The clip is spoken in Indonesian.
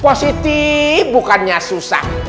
positi bukannya susah